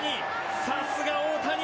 さすが大谷。